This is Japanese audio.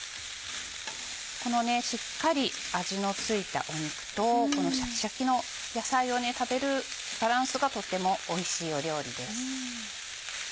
このしっかり味の付いた肉とこのシャキシャキの野菜を食べるバランスがとてもおいしい料理です。